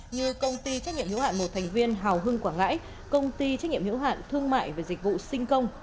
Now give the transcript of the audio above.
như công ty trách nhiệm hữu hạn một thành viên hào hưng quảng ngãi công ty trách nhiệm hữu hạn thương mại và dịch vụ sinh công